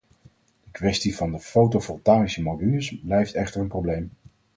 De kwestie van de fotovoltaïsche modules blijft echter een probleem.